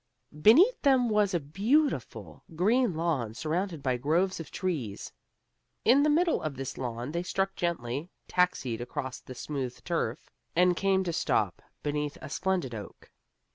Beneath them was a beautiful green lawn surrounded by groves of trees. In the middle of this lawn they struck gently, taxied across the smooth turf, and came to a stop beneath a splendid oak.